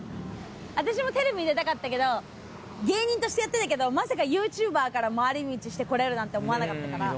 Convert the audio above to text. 私もテレビに出たかったけど芸人としてやってたけどまさかＹｏｕＴｕｂｅｒから回り道して来れるなんて思わなかったから。